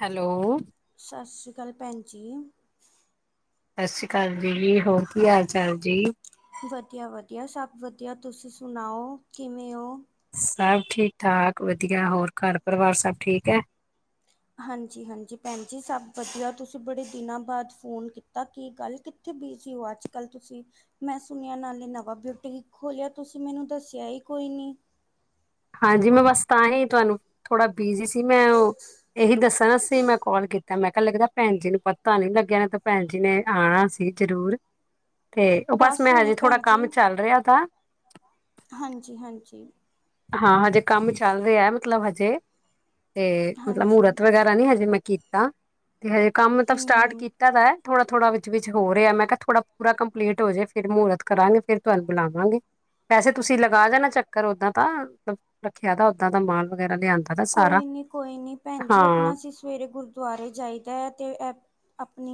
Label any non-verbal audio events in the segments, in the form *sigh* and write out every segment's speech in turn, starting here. Hello. ਸਤਿ ਸ਼੍ਰੀ ਅਕਾਲ ਭੈਣ ਜੀ। ਸਤਿ ਸ੍ਰੀ ਅਕਾਲ ਦੀ ਜੀ। ਹੋਰ ਕੀ ਹਾਲ ਚਾਲ ਜੀ? ਵਧੀਆ ਵਧੀਆ ਸਭ ਵਧੀਆ ਤੁਸੀਂ ਸੁਣਾਓ ਕਿਵੇਂ ਹੋ? ਸਭ ਠੀਕ ਠਾਕ ਵਧੀਆ ਹੋਰ ਘਰ ਪਰਿਵਾਰ ਸਭ ਠੀਕ ਹੈ। ਹਾਂਜੀ ਹਾਂਜੀ ਭੈਣ ਜੀ ਸਭ ਵਧੀਆ ਤੁਸੀਂ ਬੜੇ ਦਿਨਾਂ ਬਾਅਦ ਫੋਨ ਕੀਤਾ। ਕੀ ਗੱਲ ਕਿੱਥੇ ਬਿਜੀ ਹੋ ਅੱਜ ਕੱਲ ਤੁਸੀਂ? ਮੈਂ ਸੁਣਿਆ ਨਾਲੇ ਨਵਾਂ ਬਿਊਟੀਕ ਖੋਲਿਆ ਤੁਸੀਂ। ਮੈਨੂੰ ਦੱਸਿਆ ਹੀ ਕੋਈ ਨੀ। ਹਾਂਜੀ। ਮੈਂ ਬਸ ਤਾਂ ਹੀ ਤੁਹਾਨੂੰ ਥੋੜ੍ਹਾ ਬਿਜੀ ਸੀ। ਮੈਂ ਉਹ ਇਹੀ ਦੱਸਾਂ ਸੀ ਮੈਂ ਕਾਲ ਕੀਤਾ। ਮੈਂ ਕਿਹਾ ਲੱਗਦਾ ਭੈਣ ਜੀ ਨੂੰ ਪਤਾ ਨਹੀਂ ਲੱਗਿਆ। ਇਹਨਾਂ ਤਾਂ ਭੈਣ ਜੀ ਨੇ ਆਉਣਾ ਸੀ ਜ਼ਰੂਰ। ਤੇ ਉਹ ਬਸ ਮੈਂ ਹੁਣੇ ਹਜੇ ਥੋੜ੍ਹਾ ਭੈਣ ਜੀ ਕੰਮ ਚੱਲ ਰਿਹਾ ਤਾ ਹਾਂਜੀ ਹਾਂਜੀ। ਹਾਂ ਹਜੇ ਕੰਮ ਚੱਲ ਰਿਹਾ ਮਤਲਬ ਹਜੇ ਤੇ ਮਤਲਬ ਹਾਂਜੀ ਮਹੂਰਤ ਵਗੈਰਾ ਨੀ ਹਜੇ ਮੈਂ ਕੀਤਾ। ਤੇ ਹਜੇ ਕੰਮ ਤਾਂਬ ਸਟਾਰਟ ਹਮ ਕੀਤਾ ਦਾ ਵੇ। ਥੋੜਾ-ਥੋੜਾ ਵਿਚ ਵਿਚ ਹੋ ਰਿਹਾ। ਮੈਂ ਕਿਹਾ ਥੋੜਾ ਪੂਰਾ ਕੰਪਲੀਟ ਹੋ ਜਾ। ਫਿਰ ਮੁਹੂਰਤ ਕਰਾਂਗੇ ਫਿਰ ਤੁਹਾਨੂੰ ਬੁਲਾਵਾਂਗੇ ਪੈਸੇ ਤੁਸੀਂ ਲਗਾ ਜਾਣਾ ਚੱਕਰ ਓਦਾਂ ਤਾ ਮਲਬ ਰੱਖਿਆ ਤਾਂ ਉਦਾ ਮਾਲ ਵਗੈਰਾ ਲਿਆਂਦਾ। ਦਾ ਸਾਰਾ ਕੋਈ ਨੀ ਕੋਈ ਨੀ ਭੈਣ ਜੀ ਆਪਣਾ ਹਾਂ ਅਸੀ ਸਵੇਰੇ ਗੁਰਦੁਆਰੇ ਜਾਈਦਾ ਹੈ ਤੇ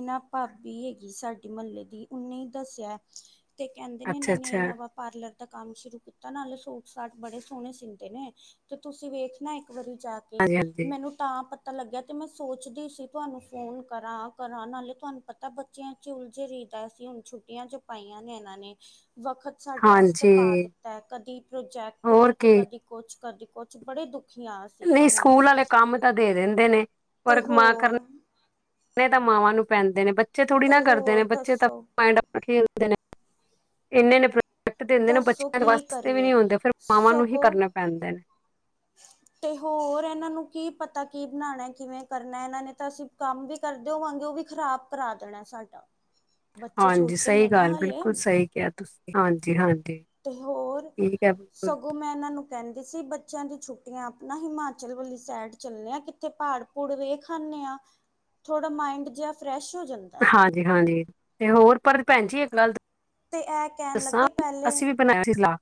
ਨਾ ਭਾਬੀ ਹੈਗੀ ਸਾਡੇ ਮਹੱਲੇ ਦੀ ਉਹੇ ਦੱਸਿਆ। ਤੇ ਕਹਿੰਦੇ ਨੇ ਅੱਛਾ ਇਹਨਾਂ ਅੱਛਾ ਨੇ ਨਵਾਂ ਪਾਰਲਰ ਦਾ ਕੰਮ ਸ਼ੁਰੂ ਕੀਤਾ ਨਾ ਹੇ ਸੂਟ ਸਾਟ ਬੜੇ ਸੋਹਣੇ ਸੀਂਦੇ ਨੇ ਤੇ ਤੁਸੀਂ ਵੇਖਣਾ ਇੱਕ ਵਾਰੀ ਜਾ ਕੇ ਹਾਂਜੀ ਹਾਂਜੀ ਮੈਨੂੰ ਤਾਂ ਪ ਪਤਾ ਲੱਗਿਆ ਤੇ ਮੈਂ ਸੋਚਦੀ ਸੀ ਤੁਹਾਨੂੰ ਫੋਨ ਕਰਾਂ ਕਰਾਂ ਨਾਲੇ ਤੁਹਾਨੂੰ ਪਤਾ ਬੱਚਿਆਂ ਚ ਉਲਝੇ ਰੀਦਾ ਸੀ ਹੁਣ ਛੁੱਟੀਆਂ ਚ ਪਾਈਆਂ ਨੇ ਇਹਨਾਂ ਨੇ ਵੱਖਤ ਸਾਡੇ ਵਾਸਤੇ ਹਾਂਜੀ ਪਾ ਦਿੱਤਾ ਹੈ ਕਦੀ ਪ੍ਰੋਜੈਕਟ ਹੋਰ ਵਰਕ ਕੀ ਕਦੀ ਕੁਛ ਕਰਦੀ ਕੁਛ ਬੜੇ ਦੁੱਖ, ਨਹੀਂ ਸਕੂਲ ਵਾਲੇ ਕੰਮ ਤਾਂ ਦੇ ਦਿੰਦੇ ਨੇ ਤੇ ਪਰ ਮਾ ਹੋਰ ਕਰਨੇ ਤਾਂ ਮਾਵਾਂ ਨੂੰ ਪੈਂਦੇ ਨੇ ਬੱਚੇ ਬੱਚੇ ਥੋੜ੍ਹੀ ਨਾ ਤੇ ਕਰਦੇ ਨੇ ਹੋਰ ਬੱਚੇ ਦੱਸੋ ਤਾਂਡ ਖੇਲਦੇ ਨੇ ਇਨੇ ਨੇ ਟ ਦਿੰਦੇ ਨੇ ਦੱਸੋ ਬੱਚਿਆਂ ਦੇ ਕੀ ਵਾਸਤੇ ਵੀ ਨੀ ਕਰੀਏ ਆਦੇ ਫਿਰ ਮਾਵਾਂ ਨੂੰ ਹੀ ਸਗੋਂ ਕਰਨੇ ਪੈਂਦੇ ਨੇ ਤੇ ਹੋਰ ਇਹਨਾਂ ਨੂੰ ਕੀ ਪਤਾ ਕੀ ਬਣਾਣਾ ਕਿਵੇਂ ਕਰਨਾ ਇਹਨਾਂ ਨੇ ਤਾਂ ਅਸੀਂ ਕੰਮ ਵੀ ਕਰਦੇ ਹੋਵਾਂਗੇ ਉਹ ਵੀ ਖ਼ਰਾਬ ਕਰਾ ਦੇਣਾ ਸਾਡਾ ਬੱਚੇ ਹਾਂਜੀ ਛੋਟੇ ਸਹੀ ਨੇ ਨਾ ਗੱਲ ਹਲੇ ਬਿਲਕੁਲ ਸਹੀ ਕਿਹਾ ਤੁਸੀਂ ਹਾਂਜੀ-ਹਾਂਜੀ ਤੇ ਠੀਕ ਹੈ ਬਿਲਕੁਲ, ਕਹਿੰਦੇ ਸੀ ਬੱਚ ਦੀ ਛੁੱਟੀਆਂ ਆਪਣਾ ਹਿਮਾਚਲ ਵਾਲੀ ਸਾਈਡ ਚੱਲੇ ਆ ਕਿੱਥੇ ਪਹਾੜ ਪੂਹਾੜ ਵੇਖ ਆਨੇ ਆ ਥੋੜਾ ਮਾਇੰਡ ਜਿਹਾ ਫਰੈਸ਼ ਹੋ ਜਾਂਦਾ ਹਾਂਜੀ ਹਾਂਜੀ, ਤੇ ਹੋਰ ਪਰ ਭੈਣ ਜੀ ਇੱਕ ਗੱਲ ਤੇ ਇਹ ਕਹਿਣ ਦੱਸਾਂ ਲੱਗੇ ਪਹਿਲੇ ਅਸੀਂ ਵੀ ਬਣਾਏ ਸੀ, ਸਲਾ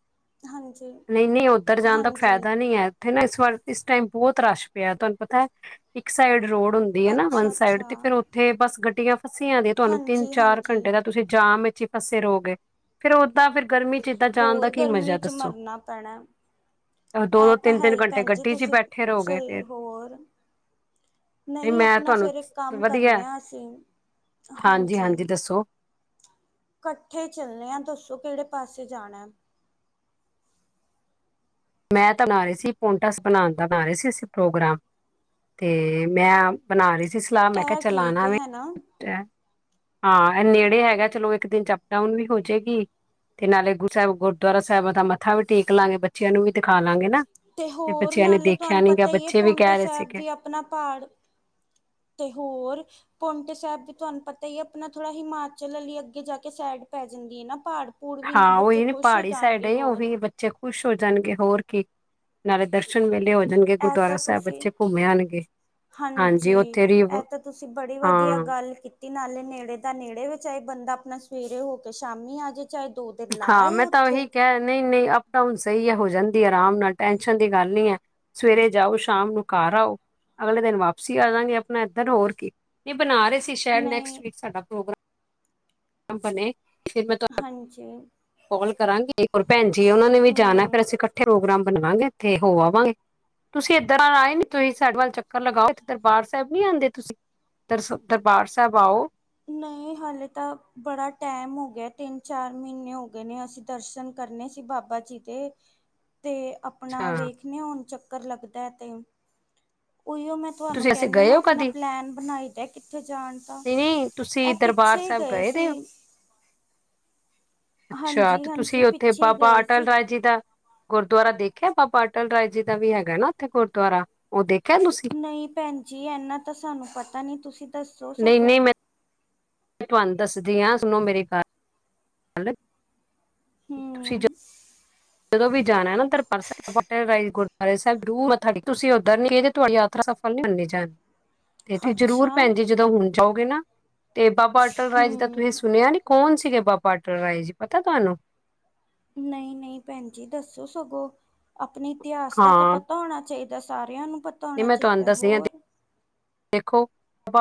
ਹਾਂਜੀ ਨਹੀਂ-ਨਹੀਂ ਉੱਧਰ ਜਾਣ ਦਾ ਹਾਂਜੀ ਫਾਇਦਾ ਨਹੀਂ ਹੈ ਉੱਥੇ ਨਾ ਇਸ ਟਾਈਮ ਬਹੁਤ ਰਸ਼ ਪਿਆ ਤੁਹਾਨੂੰ ਪਤਾ ਹੈ ਇੱਕ ਸਾਈਡ ਰੋਡ ਹੁੰਦੀ ਹੈ ਨਾ ਵੰਨ ਅੱਛਾ ਸਾਈਡ ਅੱਛਾ ਤੇ ਫੇਰ ਉੱਥੇ ਬਸ ਗੱਡੀਆਂ ਅਸੀ ਆ ਤੁਹਾਨੂੰ ਤਿੰਨ ਹਾਂਜੀ ਚਾਰ ਹਾਂਜੀ ਘੰਟੇ ਦਾ ਤੁਸੀਂ ਜਾਮ ਚਿਪਸੇ ਰੋ ਗਏ। ਫੇਰ ਔ, ਹੋਰ ਗਰਮੀ ਚ ਦੱਸੋ ਮਰਨਾ ਪੈਣਾ ਇਹ ਦੋ-ਦੋ, ਤਾਂ ਹੈ ਤਿੰਨ-ਤਿੰਨ ਹੀ ਘੰਟੇ ਭੈਣ ਜੀ ਗੱਡੀ 'ਚ ਹੀ ਤੁਸੀਂ ਬੈਠੇ ਰਹੋਗੇ ਫੇਰ ਸਹੀ ਹੋਰ ਨਹੀਂ ਮੈਂ ਆਪਣਾ ਤੁਹਾਨੂੰ ਫੇਰ ਇੱਕ ਕੰਮ ਵਧੀਆ ਕਰਨੇ ਆ ਅਸੀਂ ਹਾਂਜੀ ਹਾਂਜੀ-ਹਾਂਜੀ ਦੱਸੋ ਕੱਠੇ ਚੱਲੇ ਆ ਦੱਸੋ ਕਿਹੜੇ ਪਾਸੇ ਜਾਣਾ ਮੈਂ ਤਾਂ ਨਾ ਰਹੀ ਸੀ ਪੋਟਸ ਬਣਾਣ ਦਾ ਨਾ ਰਹੇ ਸੀ ਅਸੀ ਪ੍ਰੋਗਰਾਮ ਤੇ ਮੈਂ ਬਣਾ ਰਹੀ ਸੀ। ਸਲਾਹ ਮੈਂ ਕਿਹਾ ਇਹ ਠੀਕ ਚਲਾਣਾ ਮੈਂ, ਹੈ ਨਾ ਹਾਂ ਇਹ ਨੇੜੇ ਹੈਗਾ ਚਲੋ ਇੱਕ ਦਿਨ ਅਪ ਡਾਊਨ ਵੀ ਹੋ ਜਾਏਗੀ ਤੇ ਨਾਲੇ ਗੁਰੂ ਸਾਹਿਬ ਗੁਰਦੁਆਰਾ ਸਾਹਿਬ ਦਾ ਮੱਥਾ ਵੀ ਟੇਕ ਲਾਂਗੇ ਬੱਚਿਆਂ ਨੂੰ ਵੀ, ਤੇ ਦਿਖਾ ਲਾਂਗੇ ਨਾ, ਤੇ ਹੋਰ ਬੱਚਿਆਂ ਨੇ ਨਾਲੇ ਦੇਖਿਆ ਤੁਹਾਨੂੰ ਨੀ ਗਾ ਪਤਾ ਹੀ ਹੈ ਬੱਚੇ ਵੀ ਪੌਂਟੇ ਕਹਿ ਰਹੇ ਸਾਹਿਬ ਸੀਗੇ ਵੀ ਆਪਣਾ ਪਹਾੜ ਤੇ ਹੋਰ ਪੋਂਂਟੇ ਸਾਹਿਬ ਵੀ ਤੁਹਾਨੂੰ ਪਤਾ ਹੀ ਹੈ ਆਪਣਾ ਥੋੜ੍ਹਾ ਹਿਮਾਚਲ ਵਾਲੀ ਅੱਗੇ ਜਾ ਕੇ ਸਾਈਡ ਪੈ ਜਾਂਦੀ ਹੈ ਨਾ, ਪਹਾੜ ਪੂੜ ਵੀ ਨੇ ਹਾਂ ਬੱਚੇ ਉਹੀ ਨਹੀਂ ਖੁਸ਼ ਹੋ ਪਹਾੜੀ ਸਾਈਡ ਜਾਣਗੇ ਉਹ ਹੋਰ ਵੀ ਬੱਚੇ ਖੁਸ਼ ਹੋ ਜਾਣਗੇ ਹੋਰ ਕੀ, ਨਾਲੇ ਦਰਸ਼ਨ ਮੇਲੇ ਹੋ ਜਾਣਗੇ ਇਹ ਤਾਂ ਗੁਰਦੁਆਰਾ ਸਾਹਿਬ ਤੁਸੀਂ ਬੱਚੇ ਘੁੰਮ ਆਣਗੇ ਹਾਂਜੀ ਉੱਥੇ ਰੀਵ ਇਹ ਤਾਂ ਤੁਸੀਂ ਬੜੀ ਵਧੀਆ ਹਾਂ ਗੱਲ ਕੀਤੀ ਨਾਲੇ ਨੇੜੇ ਦਾ ਨੇੜੇ ਵਿੱਚ ਈ ਬੰਦਾ ਆਪਣਾ ਸਵੇਰੇ ਹੋ ਕੇ ਸ਼ਾਮੀ ਆ ਜੇ, ਹਾਂ ਮੈਂ ਤਾਂ ਉਹੀ ਕਿਹਾ ਨਹੀਂ-ਨਹੀਂ ਅਪ ਡਾਊਨ ਸਹੀ ਹੈ ਹੋ ਜਾਣ ਦੀ ਆਰਾਮ ਨਾਲ ਟੈਸ਼ਨ ਦੀ ਗੱਲ ਨੀ ਹੈ ਸਵੇਰੇ ਜਾਓ ਸ਼ਾਮ ਨੂੰ ਘਰ ਆਓ, ਅਗਲੇ ਦਿਨ ਵਾਪਸੀ ਆ ਜਾਂਗੇ ਆਪਣਾ ਇੱਧਰ ਹੋਰ ਕੇ ਨਹੀਂ ਬਣਾ ਰਹੇ। ਅਸੀਂ ਸ਼ਾਇਦ ਨੈਕਸਟ ਨਹੀਂ ਵੀਕ ਸਾਡਾ ਪ੍ਰੋਗਰਾਮ ਕੰਪ ਨੇ ਹਾਂਜੀ, ਕਰਾਂਗੇ, ਹੋਰ ਭੈਣਜੀ ਉਹਨਾ ਨੇ ਵੀ ਜਾਣਾ ਫੇਰ ਹੂੰ ਅਸੀਂ ਇਕੱਠੇ ਪ੍ਰੋਗਰਾਮ ਬਣਵਾਂਗੇ ਉਥੇ ਹੋ ਆਵਾਂਗੇ ਤੁਸੀਂ ਇਧਰ ਆਏ ਨੀ ਤੁਸੀਂ ਸਾਡੇ ਵੱਲ ਚੱਕਰ ਲਗਾਓ ਇਥੇ ਦਰਬਾਰ ਸਾਹਿਬ ਨੀ ਆਦੇ ਤੁਸੀਂ ਦਰ ਦਰਬਾਰ ਸਾਹਿਬ ਆਓ। ਨਹੀਂ ਹਾਲੇ ਤਾਂ ਬੜਾ ਟਾਈਮ ਹੋ ਗਿਆ ਤਿੰਨ ਚਾਰ ਮਹੀਨੇ ਹੋ ਗਏ ਨੇ ਅਸੀਂ ਦਰਸ਼ਨ ਕਰਨੇ ਸੀ ਬਾਬਾ ਜੀ ਦੇ ਤੇ ਆਪਣਾ ਅੱਛਾ ਵੇਖਦੇ ਹੁਣ ਚ ਚੱਕਰ ਲੱਗਦਾ ਹੈ ਤੇ, ਉਹੀਓ ਮੈਂ ਤੁਹਾਨੂੰ ਤੁਸੀਂ ਅਸੀਂ ਕਹਿੰਦੀ ਗਏ ਹਾਂ ਹੋ ਆਪਣਾ ਕਦੀ ਪਲੈਨ ਬਣਾਈ ਦਾ ਕਿੱਥੇ ਜਾਣ ਤਾਂ, ਨਹੀਂ ਨਹੀਂ ਤੁਸੀਂ ਦਰਬਾਰ ਸਾਹਿਬ ਗਏ ਦੇ ਹੋ? ਅੱਛਾ ਹਾਂਜੀ ਤੇ ਹਾਂਜੀ ਤੁਸੀਂ ਉੱਥੇ ਪਿੱਛੇ ਹੀ ਬਾਬਾ ਗਏ ਅਟਲ ਸੀ ਰਾਜ ਜੀ ਦਾ ਗੁਰਦੁਆਰਾ ਦੇਖ। ਦੇਖਿਆ ਬਾਬਾ ਅਟਲ ਰਾਏ ਜੀ ਦਾ ਵੀ ਹੈਗਾ ਨਾ ਉੱਥੇ ਗੁਰਦੁਆਰਾ ਉਹ ਦੇਖ ਨਹੀਂ ਭੈਣ ਜੀ ਇਨਾ ਤਾਂ ਸਾਨੂੰ ਪਤਾ ਨੀ ਤੁਸੀਂ ਦੱਸੋ ਨਹੀਂ ਸਗੋਂ। ਨਹੀਂ ਮੈਂ ਤੁਹਾਨੂੰ ਦੱਸਦੀ ਹਾਂ ਸੁਣੋ ਮੇਰੀ ਗ ਗੱਲ, ਹੂੰ, ਤੁਸੀਂ ਜਦੋਂ ਵੀ ਜਾਣਾ *unintelligible* ਗੁਰਦੁਆਰੇ ਸਾਹਿਬ। ਤੁਸੀਂ ਉਧਰ ਜਰੂਰ ਮੱਥਾ ਟੇਕਣਾ। ਤੁਹਾਡੀ ਯਾਤਰਾ ਸਫਲ ਨਹੀਂ ਮੰਨੀ ਜਾਣੀ। ਤੇ ਤੁੂੰ ਜ਼ਰੂਰ ਅੱਛਾ ਭੈਣ ਜੀ ਜਦੋਂ ਹੁਣ ਜਾਓਗੇ ਨਾ, ਤੇ ਬਾਬਾ ਅਟਲ ਰਾਏ ਜੀ ਦਾ ਤੁਸੀਂ ਹੂੰ ਸੁਣਿਆ ਨੀ ਕੋਣ ਸੀਗੇ ਬਾਬਾ ਅਟੱਲ ਟਰ ਰਾਏ ਜੀ ਪਤਾ ਤੁਹਾਨੂੰ? ਨਹੀਂ ਨਹੀਂ ਭੈਣ ਜੀ ਦੱਸੋ ਸਗੋਂ, ਆਪਣੇ ਇਤਿਹਾਸ ਦਾ ਤਾਂ ਹਾਂ ਪਤਾ ਹੋਣਾ ਚਾਹੀਦਾ? ਦਾ ਸਾਰੀਆਂ ਨੂੰ। ਪਤਾ ਨਹੀਂ ਹੋਣਾ ਮੈਂ ਤੁਹਾਨੂੰ ਚਾਹੀਦਾ ਦੱਸਦੀ ਹਾਂ ਹੋਰ? ਦੇਖੋ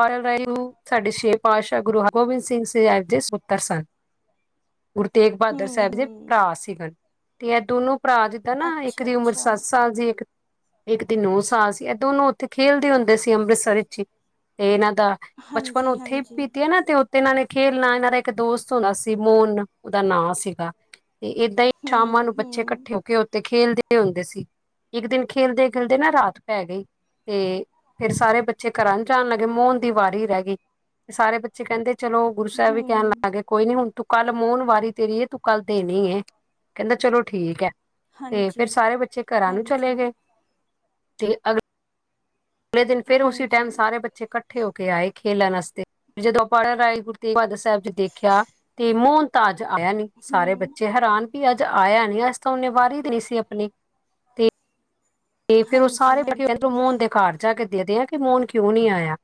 ਔਰਗਜ਼ੇਬ ਸਾਡੇ ਛੇ ਪਾਤਸ਼ਾਹ ਗੁਰੂ ਹਰਗੋਬਿੰਦ ਸਿੰਘ ਸਾਹਿਬ ਦੇ ਸਪੁੱਤਰ ਸਨ। ਗੁਰੂ ਤੇਗ ਬਹਾਦਰ ਹੂੰ ਸਾਹਿਬ ਦੇ ਹੂੰ ਭਰਾ ਸੀਗਨ। ਤੇ ਇਹ ਦੋਨੂੰ। ਭਰਾ ਜਿੱਦਾਂ ਨਾ ਇੱਕ ਅੱਛਾ ਦੀ ਉਮਰ ਅੱਛਾ ਸੱਤ ਸਾਲ ਸੀ ਇੱਕ। ਇੱਕ ਦੀ ਨੌ ਸਾਲ ਸੀ ਇਹ ਦੋਨੋ। ਤੇ ਖੇਲਦੇ ਹੁੰਦੇ ਸੀ ਅੰਮ੍ਰਿਤਸਰ। ਅਰੀਚੀ ਇਹ ਨਾ। ਦਾ ਬਚਪਨ ਹਾਂਜੀ ਉੱਥੇ ਹੀ ਹਾਂਜੀ ਬੀਤਿਆ ਨਾ ਤੇ। ਤੇ ਇਹਨਾਂ ਨੇ ਖੇਲਣਾ ਇਹਨਾਂ ਦਾ ਇੱਕ ਦੋਸਤ ਹੁੰਦਾ ਸੀ ਮੋਨਾ ਉਹਦਾ ਨਾਂ ਸੀਗਾ। ਤੇ ਏਦਾਂ ਹੀ ਸ਼ਾਮਾਂ ਹੂੰ ਨੂੰ ਬੱਚੇ ਹੂੰ ਇਕੱਠੇ ਹੋ ਕੇ ਉੱਥੇ। ਖੇਲਦੇ ਹੁੰਦੇ ਸੀ ਇੱਕ ਦਿਨ ਖੇਲਦੇ ਖੇਲਦੇ ਨਾ ਰਾਤ ਪੈ ਗਈ ਤੇ ਫੇਰ ਸਾਰੇ ਬੱਚੇ। ਬੱਚੇ ਘਰਾਂ ਨੂੰ ਜਾਣ ਲੱਗੇ ਮੋਹਨ ਦੀ ਵਾਰੀ ਰਹਿ ਗਈ ਤੇ ਸਾਰੇ ਬੱਚੇ ਕਹਿੰਦੇ। ਚਲੋ ਗੁਰੂ ਸਾਹਿਬ ਵੀ ਕਹਿਣ ਹੂੰ ਲੱਗ ਗਏ ਕੋਈ ਨੀ ਹੁਣ ਤੂੰ। ਕੱਲ ਮੋਹਨ ਵਾਰੀ ਤੇਰੀ ਤੂੰ ਕੱਲ ਦੇਣੀ ਹੈ ਕਹਿੰਦਾ ਚਲੋ ਠੀਕ ਹੈ। ਤੇ ਹਾਂਜੀ ਫਿਰ ਸਾਰੇ ਬੱਚੇ ਘਰਾਂ ਨੂੰ ਚਲੇ ਹਾਂਜੀ ਗਏ? ਤੇ ਅਗਰ। ਅਗਲੇ ਦਿਨ ਫਿਰ ਉਸ ਹਾਂਜੀ ਟਾਈਮ ਸਾਰੇ ਬੱਚੇ। ਇਕੱਠੇ ਹੋ ਕੇ ਆਏ ਖੇਲਣ ਵਾਸਤੇ ਜਦੋਂ ਆਪਾਂ ਰਾਏ ਗੁਰੂ ਤੇਗ ਬਹਾਦਰ ਸਾਹਿਬ ਜੀ ਦੇਖਿਆ ਤੇ ਮੋਹਨ ਤਾਜ। ਆਇਆ ਨੀ ਸਾਰੇ ਹੂੰ ਬੱਚੇ ਹੈਰਾਨ? ਵੀ ਅੱਜ ਆਇਆ ਨੀ ਅੱਜ ਤਾਂ ਉਹਨੇ ਵਾਰੀ ਦਿੰਨੇ ਸੀ ਆਪਣੀ ਤੇ। ਤੇ ਫ਼ਿਰ ਉਹ ਹਾਂਜੀ ਸਾਰੇ ਹਾਂਜੀ ਕਹਿੰਦੇ ਮੋਹਣ ਦੇ ਘਰ ਜਾ ਕੇ। ਦੇਖਦੇ ਆ ਕਿ ਮੋਹਨ ਕਿਉਂ ਨੀ ਆਇਆ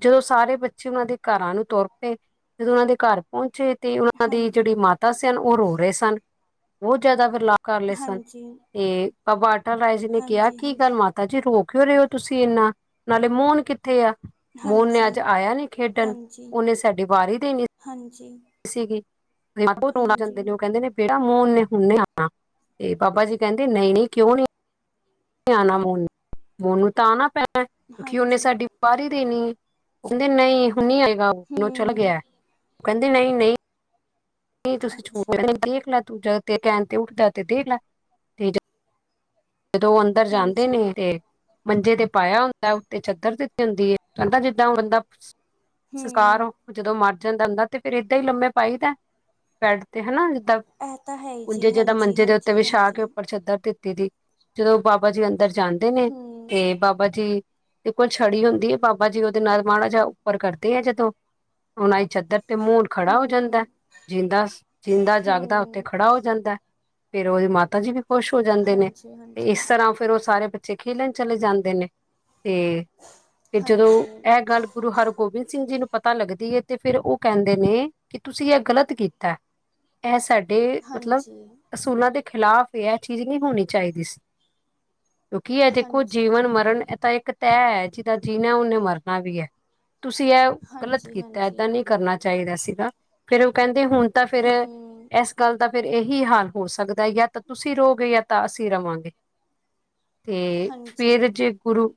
ਜਦੋਂ ਸਾਰੇ ਬੱਚੇ ਉਹਨਾਂ ਦੇ ਘਰਾਂ ਨੂੰ ਤੁਰ ਪਏ ਜਦੋਂ ਉਹਨਾਂ ਦੇ ਘਰ ਪਹੁੰਚੇ। ਤੇ ਉਹਨਾਂ ਦੀ ਜਿਹੜੀ ਹਾਂਜੀ ਮਾਤਾ ਸਨ ਉਹ ਰੋ ਰਹੇ ਸਨ? ਬਹੁਤ ਜ਼ਿਆਦਾ ਫਿਰ। ਲਾ ਕਰ ਲਏ ਸਨ ਹਾਂਜੀ ਤੇ। ਆਹ ਵਾਟਾਂ ਲਾਏ। ਕਿਹਾ ਹਾਂਜੀ ਕੀ ਹਾਂਜੀ ਗੱਲ ਮਾਤਾ ਜੀ ਰੋ। ਭੁੱਖੇ ਰਹੇ ਹੋ ਤੁਸੀਂ ਨਾ ਨਾਲੇ ਮੋਹਨ? ਕਿੱਥੇ ਆ ਮੋਹਨ ਨੇ ਹਾਂਜੀ ਅੱਜ ਆਇਆ ਨੀ ਖੇਡਣ ਹਾਂਜੀ ਉਹਨੇ ਸਾਡੀ ਵਾਰੀ ਦੇਣੀ। ਹਾਂਜੀ ਸੀਗੀ। ਮੈਂ ਕਿਹਾ ਧੋਣੇ ਹਾਂਜੀ ਪੈਂਦੇ ਨੇ ਉਹ ਕਹਿੰਦੇ ਨੇ ਪੇਟ। ਮੂੰਹ ਨੇ ਹੁਨੇ ਆਉਣਾ ਤੇ ਬਾਬਾ ਜੀ ਕਹਿੰਦੇ ਨਹੀਂ ਨਹੀਂ ਕਿਉਂ ਨੀ। ਆਣਾ ਮੋਨ ਮੋਨੂੰ ਤਾਂ ਆਣਾ ਪੈ ਕਿਉਂਕਿ ਹਾਂਜੀ ਸਾਡੀ ਬਾਹਰ ਦੇਣੀ ਹੈ। ਕਹਿੰਦੇ ਨਹੀਂ ਹੁ ਨਹੀਂ ਆਏਗਾ ਉਹ ਚੱਲ ਹੂੰ ਗਿਆ। ਕਹਿੰਦੇ ਨਹੀਂ ਨਹੀਂ। ਨਹੀਂ ਤੁਸੀਂ ਚੋ ਅੱਛਾ ਦੇਖ ਲ ਤੂੰ ਤੇ ਕਹਿਣ ਤੇ ਉੱਠਦਾ ਤੇ ਦੇਖ ਲ ਤੇ ਜਦੋਂ ਉਹ ਅੰਦਰ ਜਾਂਦੇ ਹਾਂਜੀ ਨੇ ਤੇ ਮੰਜੇ ਤੇ ਪਾਇਆ ਹੁੰਦਾ ਤੇ ਚਾਦਰ ਦਿੱਤੀ ਹੁੰਦੀ ਕਹਿੰਦਾ ਜਿੱਦਾਂ ਬੰਦਾ ਹੂੰ ਸਕਾਰੋ ਜਦੋਂ ਮਰਦ ਜਾਂਦਾ ਤੇ ਫਿਰ ਏਦਾਂ ਹੀ ਲੰਮੇ ਪਾਈ ਦਾ ਪੈਡ ਤੇ ਹਨਾ ਇਹ ਤਾਂ ਹੈ ਹੀ ਪੁੰਜੇ ਜੀ ਜੇਦਾਂ ਹਾਂਜੀ ਮੰਜੇ ਦੇ ਉੱਤੇ ਹਾਂਜੀ ਵਿਛਾ ਹਾਂਜੀ ਕੇ ਉੱਪਰ ਚਧ ਤੇ ਟਿਟੀ। ਜਦੋਂ ਬਾਬਾ ਜੀ ਕਹਿੰਦੇ ਉਧਰ ਜਾਂਦੇ ਨੇ ਹੂੰ ਤੇ ਬਾਬਾ ਜੀ ਤੇ ਕੋੁਲ ਛੜੀ ਹੁੰਦੀ ਹੈ ਬਾਬਾ ਜੀ ਉਹਦੇ ਨਾਲ ਮਾੜਾ ਜਿਹਾ ਉੱਪਰ ਕਰਦੇ ਆ ਜਦੋਂ ਉਹਣਾਈ ਚਾਦਰ ਤੇ ਮੂੰਹਣ ਖੜਾ ਹੋ ਜਾਂਦਾ ਹੂੰ ਜਿੰਦਾ ਜਿੰਦਾ ਜਾਗਦਾ ਉੱਥੇ ਹੂੰ ਖੜਾ ਹੋ ਜਾਂਦਾ। ਫੇਰ ਉਹਦੀ ਮਾਤਾ ਜੀ ਵੀ ਖੁਸ਼ ਹੋ ਜਾਂਦੇ ਨੇ। ਹਾਂਜੀ ਤੇ ਹਾਂਜੀ ਇਸ ਤਰ੍ਹਾਂ ਫੇਰ ਉਹ ਸਾਰੇ ਖੇਲਣ ਚਲੇ ਜਾਂਦੇ ਨੇ। ਤੇ ਤੇ ਜਦੋਂ ਹਾਂਜੀ ਇਹ ਗੱਲ ਗੁਰੂ ਹਰਗੋਬਿੰਦ ਸਿੰਘ ਜੀ ਨੂੰ ਪਤਾ ਲੱਗਦੀ ਹੈ ਤੇ ਫਿਰ ਉਹ ਕਹਿੰਦੇ ਨੇ ਕਿ ਤੁਸੀਂ ਇਹ ਗ਼ਲਤ ਕੀਤਾ ਇਹ ਸਾਡੇ ਮਤਲਬ ਹਾਂਜੀ ਅਸੂਲਾਂ ਦੇ ਖਿਲਾਫ਼ ਇਹ ਚੀਜ਼ ਨਹੀਂ ਹੋਣੀ ਚਾਈਦੀਜ਼। ਕਿਉਂਕਿ ਇਹ ਦੇਖੋ ਹਾਂਜੀ ਜੀਵਨ ਮਰਨ ਇਹ ਤਾਂ ਇੱਕ ਤ ਜੀਦਾ ਜੀਣਾ ਉਹਨੇ ਮਰਨਾ ਵੀ ਹੈ। ਤੁਸੀਂ ਇਹ ਗ਼ਲਤ ਹਾਂਜੀ ਕੀਤਾ ਹਾਂਜੀ ਏਦਾਂ ਨਹੀਂ ਕਰਨਾ ਚਾਹੀਦਾ। ਸੀਗਾ ਫੇਰ ਉਹ ਕਹਿੰਦੇ ਹੁਣ ਤਾਂ ਫਿਰ ਹੂੰ ਇਸ ਗੱਲ ਦਾ ਫਿਰ ਇਹੀ ਹਾਲ ਹੋ ਸਕਦਾ ਜਾਂ ਤਾਂ ਤੁਸੀਂ ਰੋਗੇ ਜਾਂ ਤਾਂ ਅਸੀਂ ਰਵਾਂਗੇ। ਤੇ ਹਾਂਜੀ ਫੇਰ ਜੇ ਗੁਰੂ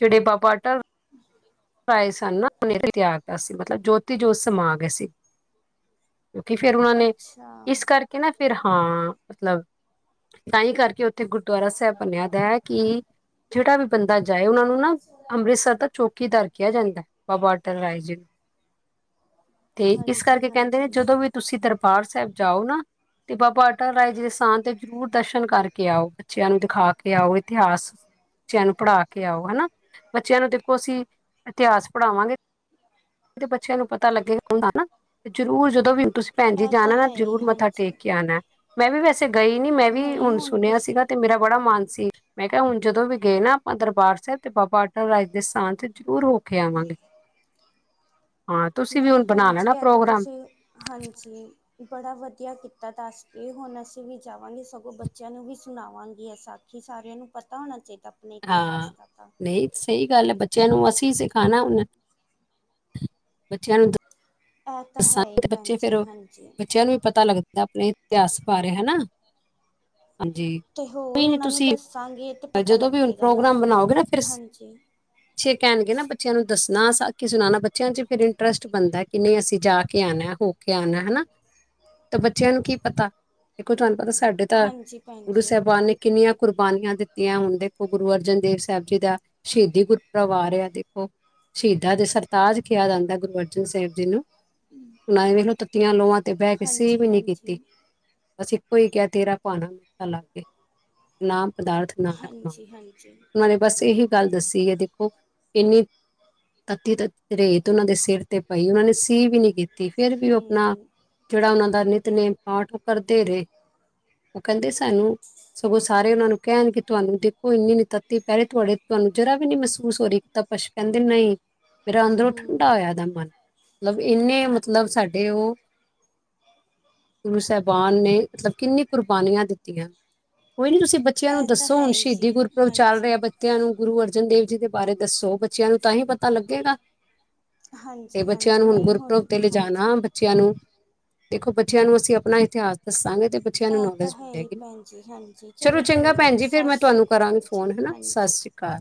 ਜਿਹੜੇ ਬਾਬਾ ਅਟੱਲ ਰਾਏ ਸਨ ਨਾਨ ਤਿਆਰ ਦਾ ਸੀ ਮਤਲਬ ਜੋਤੀ ਜੋਤ ਸਮਾ ਗਏ ਸੀ। ਕਿਉਂਕਿ ਫੇਰ ਉਹਨਾਂ ਨੇ ਅੱਛਾ ਇਸ ਕਰਕੇ ਨਾ ਫੇਰ ਹਾਂ ਮਤਲਬ ਤਾਂ ਹੀ ਕਰਕੇ ਉੱਥੇ ਤੇ ਗੁਰਦੁਆਰਾ ਸਾਹਿਬ ਬਨਿਆਦਾ ਹੈ ਕਿ ਜਿਹੜਾ ਵੀ ਬੰਦਾ ਜਾਏ ਉਹਨਾਂ ਨੂੰ ਨਾ ਅੰਮ੍ਰਿਤਸਰ ਦਾ ਚੌਕੀ ਦਰ ਕਿਹਾ ਜਾਂਦਾ ਬਾਬਾ ਅਟੱਲ ਰਾਏ ਜੀ ਨੂੰ ਤੇ ਇਸ ਹਾਂਜੀ ਕਰਕੇ ਕਹਿੰਦੇ ਨੇ ਹਾਂਜੀ ਜਦੋਂ ਵੀ ਤੁਸੀਂ ਦਰਪ ਦਰਬਾਰ ਸਾਹਿਬ ਜਾਓ ਨਾ ਤੇ ਬਾਬਾ ਅਟਲ ਰਾਏ ਜੀ ਦੇ ਸਥਾਨ ਤੇ ਜ਼ਰੂਰ ਦਰਸ਼ਨ ਕਰਕੇ ਆਓ ਬੱਚਿਆਂ ਨੂੰ ਦਿਖਾ ਕੇ ਆਓ ਇਤਿਹਾਸ ਬੱਚਿਆਂ ਨੂੰ ਪੜ੍ਹਾ ਕੇ ਆਓ ਹਨਾ ਬੱਚਿਆਂ ਨੂੰ ਦੇਖੋ ਅਸੀਂ ਇਤਿਹਾਸ ਪੜ੍ਹਾਵਾਂਗੇ। ਤੇ ਬੱਚਿਆਂ ਨੂੰ ਪਤਾ ਲੱਗੇ ਹੁੰਦਾ ਨਾ ਤੇ ਜਰੂਰ ਜਦੋਂ ਵੀ ਤੁਸੀਂ ਭੈਣ ਜੀ ਇਹ ਤਾਂ ਜਾਣਾ ਨਾ ਹੈ ਹੀ ਜਰੂਰ ਮੱਥਾ ਟੇਕ ਹਾਂਜੀ ਕੇ ਆਣਾ ਮੈਂ ਵੀ ਵੈਸੇ ਗਈ ਨੀ ਮੈਂ ਵੀ ਨਹੀਂ ਹੁਣ ਸੁਣਿਆ ਤੁਸੀਂ ਸੀਗਾ ਤੇ ਮੇਰਾ ਬੜਾ ਮਨ ਮੈਂ ਕਿਹਾ ਹੁਣ ਜਦੋਂ ਵੀ ਗਏ ਨਾ ਆਪਾਂ ਦਰਬਾਰ ਸਾਹਿਬ ਤੇ ਬਾਬਾ ਅਟੱਲ ਰਾਜ ਦੇ ਸਥਾਨ ਤੇ ਜ਼ਰੂਰ ਹੋ ਹੋਕੇ ਆਵਾਂਗੇ। ਹਾਂ ਤੁਸੀਂ ਵੀ ਨਹੀਂ ਹੁਣ ਬਣਾ ਭੈਣ ਜੀ ਲੈਣਾ ਇਹ ਤਾਂ ਪ੍ਰੋਗਰਾਮ ਤੁਸੀਂ ਹਾਂਜੀ ਬੜਾ ਵਧੀ ਵਧੀਆ ਕੀਤਾ ਦੱਸ ਕੇ ਹੁਣ ਅਸੀਂ ਵੀ ਜਾਵਾਂਗੇ ਸਗੋਂ ਬੱਚਿਆਂ ਨੂੰ ਵੀ ਸੁਣਾਵਾਂਗੇ ਅ ਸਾ ਆਖੀ ਸਾਰਿਆਂ ਨੂੰ ਪਤਾ ਹੋਣਾ ਚਾਹੀਦਾ। ਆਪਣੇ ਇਤਿਹਾਸ ਹਾਂ। ਤਾ ਨਹੀਂ ਸਹੀ ਗੱਲ ਬੱਚਿਆਂ ਨੂੰ ਅਸੀਂ ਸਿਖਾਣਾ ਉਹਨ ਬੱਚਿਆਂ ਨੂੰ ਆਹ ਤਾਂ ਹੈ ਦੱਸਾਂਗੇ ਤੇ ਭੈਣ ਬੱਚੇ ਫੇਰ ਜੀ ਹਾਂਜੀ ਬੱਚਿਆਂ ਨੂੰ ਵੀ ਪਤਾ ਲੱਗਦਾ ਆਪਣੇ ਇਤਿਹਾਸ ਬਾਰੇ ਹਨਾ। ਹਾਂਜੀ ਤੇ ਹੋਰ ਕੋਈ ਨੀ ਉਹਨਾ ਨੂੰ ਤੁਸੀਂ ਦਸਾਂਗੇ ਤੇ ਪਤਾ ਜਦੋਂ ਵੀ ਹੁਣ ਲੱਗੇਗਾ ਨਾ ਹਾਂਜੀ ਪੱਛੇ ਕਹਿਣਗੇ ਨਾ ਬੱਚਿਆਂ ਨੂੰ ਦੱਸਣਾ ਕਿ ਸੁਣਾਣਾ ਬੱਚਿਆਂ ਚ ਫਿਰ ਇੰਟਰਸਟ ਬਣਦਾ ਕਿ ਨਹੀਂ ਅਸੀਂ ਜਾ ਕੇ ਆਣਾ ਹੋ ਕੇ ਆਣਾ ਹਨਾ ਤੇ ਬੱਚਿਆਂ ਨੂੰ ਕੀ ਪਤਾ ਇੱਕ ਕੋੋ ਤੁਹਾਨੂੰ ਪਤਾ ਸਾਡੇ ਤਾਂ ਹਾਂਜੀ ਭੈਣ ਗੁਰੂ ਜੀ ਸਾਹਿਬਾਨ ਨੇ ਕਿੰਨੀਆਂ ਕੁਰ ਕੁਰਬਾਨੀਆਂ ਦਿੱਤੀਆਂ ਹੁਣ ਦੇਖੋ ਗੁਰੂ ਅਰਜਨ ਦੇਵ ਸਾਹਿਬ ਜੀ ਦਾ ਸ਼ਹੀਦੀ ਗੁਰੂ ਪੂਰਬ ਆ ਦੇਖੋ, ਸ਼ਹੀਦਾਂ ਦੇ ਸਰਤਾਜ ਕਿਹਾ ਜਾਂਦਾ ਗੁਰੂ ਅਰਜਨ ਸਾਹਿਬ ਜੀ ਨੂੰ ਨੂੰ ਤੱਤੀਆਂ ਲੋਆ ਤੇ ਬਹਿ ਕਿਸੇ ਹਾਂਜੀ ਵੀ ਨੀ ਹਾਂਜੀ ਕੀਤੀ ਅਸੀਂ ਕੋਈ ਕਹਿ ਤੇਰਾ ਭਾਣਾ ਮਿੱਠਾ ਲਾਗੇ ਨਾਮ ਪਦਾਰਥ ਨਾਨਕ ਹਾਂਜੀ ਹਾਂਜੀ ਉਹਨਾਂ ਨੇ ਬਸ ਇਹੀ ਗੱਲ ਦੱਸੀ ਹੈ ਦੇਖੋ ਇੰਨੀ ਤੱਤੀ ਤੇਤ ਉਹਨਾਂ ਦੇ ਸਿਰ ਤੇ ਪਈ ਉਹਨਾਂ ਨੇ ਸੀ ਵੀ ਨੀ ਕੀਤੀ ਫੇਰ ਵੀ ਉਹ ਆਪਣਾ ਹੂੰ ਜਿਹੜਾ ਉਹਨਾਂ ਦਾ ਨਿਤ ਨੇਮ ਪਾਠ ਉਹ ਕਰਦੇ ਰਹੇ ਉਹ ਕਹਿੰਦੇ ਸਾਨੂੰ ਸਗੋਂ ਸਾਰੇ ਉਹਨਾਂ ਨੂੰ ਕਹਿਣ ਕਿ ਤੁਹਾਨੂੰ ਦੇਖੋ ਇੰਨੀ ਨੀ ਤੱਤੀ ਪਹਿਰੇ ਤੁਹਾਡੇ ਤੁਹਾਨੂੰ ਜਰਾ ਵੀ ਨੀ ਮਹਿਸੂਸ ਹੋ ਰਹੀ ਤਾਂਪਸ਼ ਕਹਿੰਦੇ ਨਹੀਂ। ਮੇਰਾ ਅੰਦਰੋਂ ਠੰਡਾ ਹੂੰ ਹੋਇਆ ਇਹਦਾ ਮਨ ਮਤਲਬ ਇੰਨੇ ਮਤਲਬ ਸਾਡੇ ਉਹ ਗੁਰੂ ਸਾਹਿਬਾਨ ਨੇ ਮਤਲਬ ਕਿੰਨੀ ਕੁਰਬਾਨੀਆਂ ਦਿੱਤੀਆਂ। ਕੋਈ ਨੀ ਤੁਸੀਂ ਬੱਚਿਆਂ ਨੂੰ ਇਹ ਤਾਂ ਦੱਸੋ ਹੈ ਹੁਣ ਹੀ ਸ਼ਹੀਦੀ ਜੀ ਗੁਰਪੁਰਬ ਚੱਲ ਹਾਂਜੀ ਰਿਹਾ ਬੱਚਿਆਂ ਨੂੰ ਗੁਰੂ ਅਰਜਨ ਦੇਵ ਜੀ ਦੇ ਬਾਰੇ ਦੱਸੋ ਬੱਚਿਆਂ ਨੂੰ ਤਾਂ ਹੀ ਪਤਾ ਲੱਗੇਗਾ। ਤੇ ਹਾਂਜੀ ਹਾਂਜੀ। ਬੱਚਿਆਂ ਨੂੰ ਹੁਣ ਨਹੀਂ ਗੁਰਪੁਰਬ ਤੇ ਲਿਜਾਣਾ ਹਾਂਜੀ ਬੱਚਿਆਂ ਨੂੰ ਦੇਖੋ ਬੱਚਿਆਂ ਨੂੰ ਅਸੀਂ ਆਪਣਾ ਇਤਿਹਾਸ ਦੱਸਾਂਗੇ। ਬੱਚਿਆਂ ਨੂੰ ਇਹ ਤਾਂ ਨੌਲੇਜ ਹੈ ਹੀ ਮਿਲੇਗੀ ਭੈਣ ਜੀ ਹਾਂਜੀ ਚਲੋ ਚੰਗਾ ਭੈਣ ਜੀ ਫਿਰ ਸਤਿ ਮੈਂ ਸ਼੍ਰੀ ਤੁਹਾਨੂੰ ਕਰਾਂਗੀ ਅਕਾਲ ਫੋਨ ਜੀ ਹਨਾ ਸਤਿ ਹਾਂਜੀ ਸ਼੍ਰੀ ਅਕਾਲ।